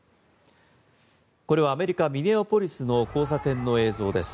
これはアメリカ・ミネアポリスの交差点の映像です。